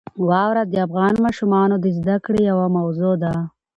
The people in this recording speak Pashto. واوره د افغان ماشومانو د زده کړې یوه موضوع ده.